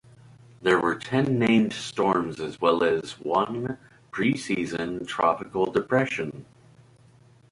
There were ten named storms as well as one pre-season tropical depression.